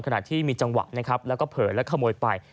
ขณะที่มีจังหวะนะครับแล้วก็เผลอและขโมยไป